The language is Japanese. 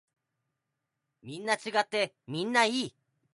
みんな違ってみんないい。